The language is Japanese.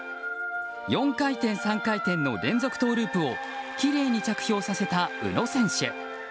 ４回転３回転の連続トウループをきれいに着氷させた宇野選手。